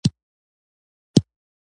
ګیلاس د ادب د کور غړی دی.